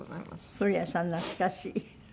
古谷さん懐かしい。